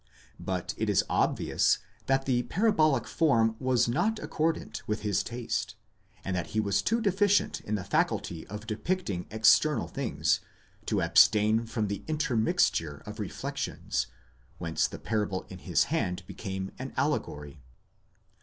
But it is obvious that the parabolic form was not accordant with his taste, and that he was too deficient in the faculty of depicting external things, to abstain from the intermixture of reflections, whence the parable in his hand became an allegory.